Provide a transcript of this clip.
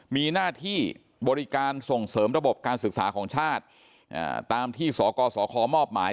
มีหน้าที่บริการส่งเสริมระบบการศึกษาของชาติตามที่สกสคมอบหมาย